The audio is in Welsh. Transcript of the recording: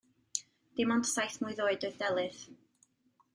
Dim ond saith mlwydd oed oedd Delyth.